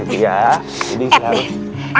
aduh keseriput kaki saya